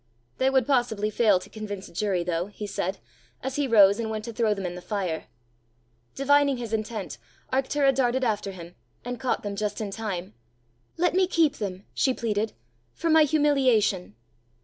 "They would possibly fail to convince a jury though!" he said, as he rose and went to throw them in the fire. Divining his intent, Arctura darted after him, and caught them just in time. "Let me keep them," she pleaded, " for my humiliation!"